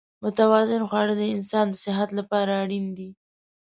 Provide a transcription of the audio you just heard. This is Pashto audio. متوازن خواړه د انسان د صحت لپاره اړین دي.